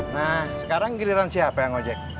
nah sekarang giliran siapa yang ojek